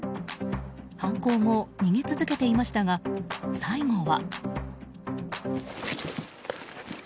犯行後、逃げ続けていましたが最後は。